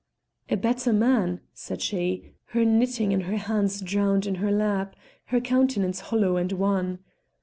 "A better man!" said she, her knitting and her hands drowned in her lap, her countenance hollow and wan.